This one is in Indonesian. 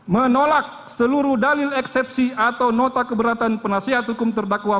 menolak seluruh dalil eksepsi atau nota keberatan penasihat hukum terdakwa